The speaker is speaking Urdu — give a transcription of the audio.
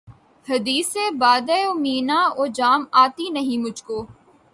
حدیث بادہ و مینا و جام آتی نہیں مجھ کو